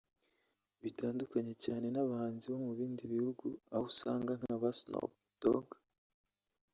Bitandukanye cyane n’abahanzi bo mu bindi bihugu aho usanga nka ba Snoop Dogg